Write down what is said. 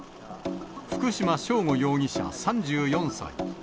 福島聖悟容疑者３４歳。